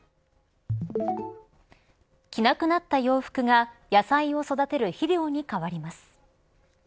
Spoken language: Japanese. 着なくなった洋服が野菜を育てる肥料に変わります。